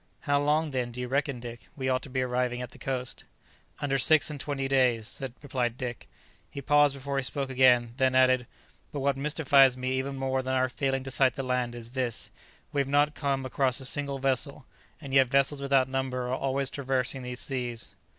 "How long, then, do you reckon, Dick, we ought to be in arriving at the coast?" "Under six and twenty days," replied Dick. He paused before he spoke again, then added, "But what mystifies me even more than our failing to sight the land is this: we have not come across a single vessel; and yet vessels without number are always traversing these seas."